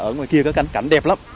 ở ngoài kia có cảnh đẹp lắm